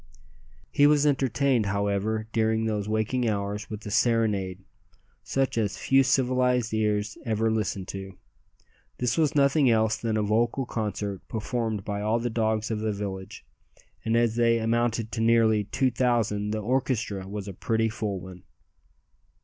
He was entertained, however, during those waking hours with a serenade such as few civilized ears ever listen to. This was nothing else than a vocal concert performed by all the dogs of the village, and as they amounted to nearly two thousand the orchestra was a pretty full one.